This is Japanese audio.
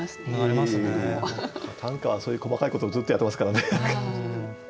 短歌はそういう細かいことをずっとやってますからね。